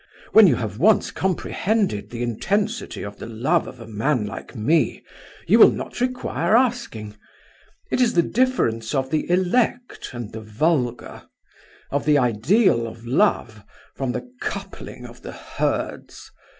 When you have once comprehended the intensity of the love of a man like me, you will not require asking. It is the difference of the elect and the vulgar; of the ideal of love from the coupling of the herds.